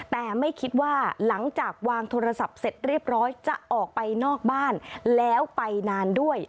แต่ไม่คิดว่าหลังจากวางโทรศัพท์เสร็จเรียบร้อยจะออกไปนอกบ้านแล้วไปนานด้วย